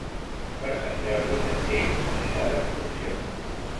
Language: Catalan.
Per Sant Jordi na Txell anirà d'excursió.